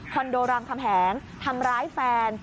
โดนรามคำแหงทำร้ายแฟน